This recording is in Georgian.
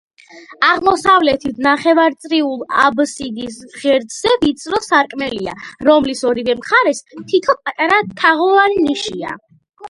აღმოსავლეთით, ნახევარწრიულ აბსიდის ღერძზე, ვიწრო სარკმელია, რომლის ორივე მხარეს თითო პატარა, თაღოვანი ნიშია.